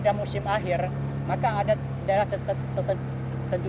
di mana di situ